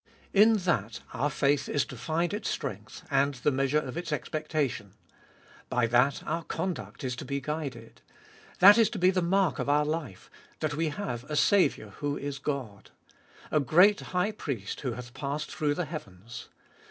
In that our faith is to find its strength, and the measure of its expectation. By that our conduct is to be guided. That is to be the mark of our life — that we have a Saviour who is God. A great High Priest, who hath passed through the heavens.